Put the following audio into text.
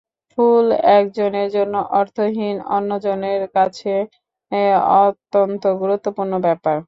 ফুল একজনের কাছে অর্থহীন, অন্যজনের কাছে অত্যন্ত গুরুত্বপূর্ণ ব্যাপার।